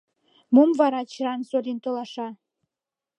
Мом вара Чжан Цзолин толаша?